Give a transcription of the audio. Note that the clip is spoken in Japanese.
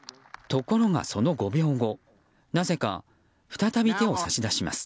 ところがその５秒後なぜが再び手を差し出します。